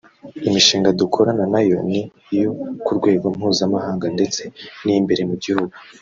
Imishinga dukorana na yo ni iyo ku rwego mpuzamahanga ndetse n’iy’imbere mu gihugu